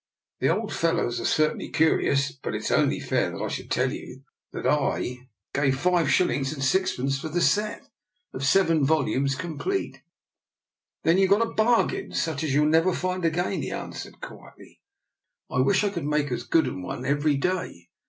The old fellows are certainly curious, but it is only fair that I should tell you that I 14 DR. NIKOLA'S EXPERIMENT. gave five shillings and sixpence for the set of seven volumes, complete." " Then you got a bargain such as you'll never find again," he answered quietly. " I wish I could make as good an one every day.